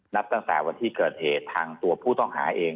นับตั้งแต่วันที่เกิดเหตุทางตัวผู้ต้องหาเอง